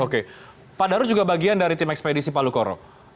oke pak daru juga bagian dari tim ekspedisi palu koro